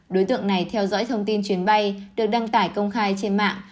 đối tượng này theo dõi thông tin chuyến bay được đăng tải công khai trên mạng